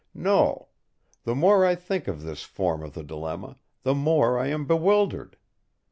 No! the more I think of this form of the dilemma, the more I am bewildered!